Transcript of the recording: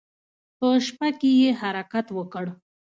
په شپه کې يې حرکت وکړ.